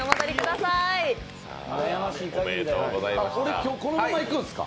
俺、今日、このままいくんですか。